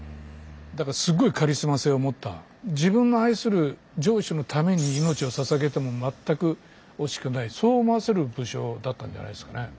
だからすごいカリスマ性を持った自分の愛する城主のために命を捧げても全く惜しくないそう思わせる武将だったんじゃないですかね。